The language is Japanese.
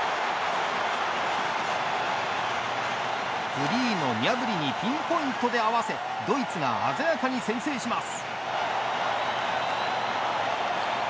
フリーのニャブリにピンポイントで合わせドイツが鮮やかに先制します。